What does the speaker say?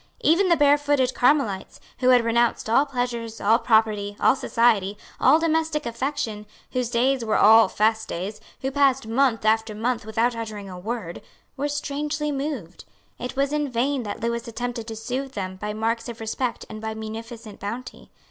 Even the barefooted Carmelites, who had renounced all pleasures, all property, all society, all domestic affection, whose days were all fast days, who passed month after month without uttering a word, were strangely moved. It was in vain that Lewis attempted to soothe them by marks of respect and by munificent bounty.